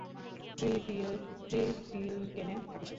ট্রিপ্লিকেনে থাকে সে।